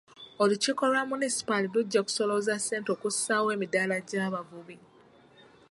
Olukiiko lwa munisipaali lujja kusolooza ssente okussaawo emidaala gy'abavubi.